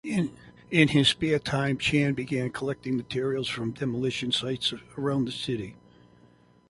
In his spare time, Chand began collecting materials from demolition sites around the city.